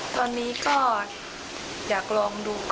ตอนนี้ก็อยากลองดูก่อนค่ะ